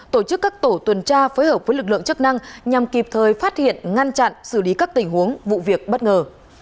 tổ chức các tổ tuần tra phối hợp với lực lượng chức năng nhằm kịp thời phát hiện ngăn chặn xử lý các tình huống vụ việc bất ngờ